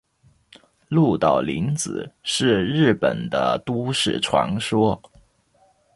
鹿岛零子是日本的都市传说。